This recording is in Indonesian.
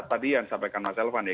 tadi yang disampaikan mas elvan ya